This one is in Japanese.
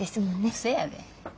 そやで。